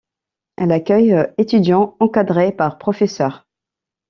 Elle accueille étudiants, encadrés par professeurs.